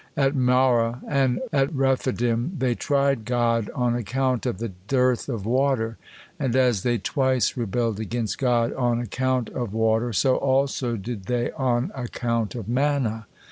At Marah and at Rephidim they tried God on account of the dearth of water, and as they twice rebelled against God on account of water, so also did they on account of manna.